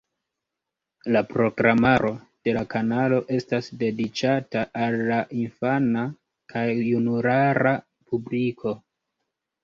La programaro de la kanalo estas dediĉata al la infana kaj junulara publiko.